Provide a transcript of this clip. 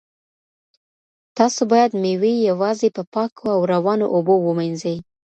تاسو باید مېوې یوازې په پاکو او روانو اوبو ومینځئ.